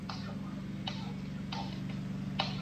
他所属的相扑部屋是阿武松部屋。